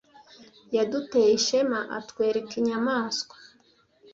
yaduteye ishema atwereka inyamaswa